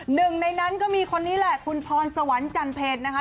หนึ่งในนั้นก็มีคนนี้แหละคุณพรสวรรค์จันเพลนะคะ